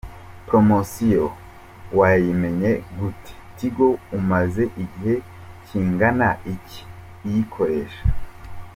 Promosiyo wayimenye gute? Tigo umaze igihe kingana iki iyikoresha?.